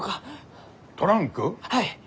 はい。